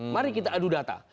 mari kita adu data